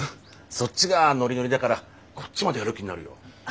そっちがノリノリだからこっちまでやる気になるよ。